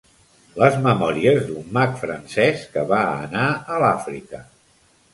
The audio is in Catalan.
Les memòries d'un mag francès que va anar a l'Àfrica.